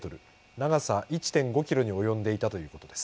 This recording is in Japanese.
長さ１．５キロに及んでいたということです。